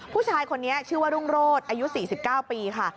ผู้ชายคนนี้ชื่อว่ารุ่งโรศอายุ๔๙ปีค่ะ